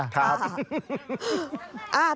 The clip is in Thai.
ครับ